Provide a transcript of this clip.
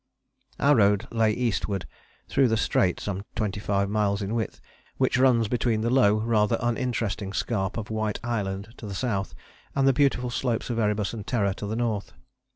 Our road lay eastwards through the Strait, some twenty five miles in width, which runs between the low, rather uninteresting scarp of White Island to the south, and the beautiful slopes of Erebus and Terror to the north.